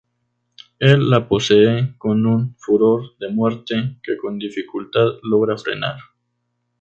Él la posee con un furor de muerte que con dificultad logra frenar.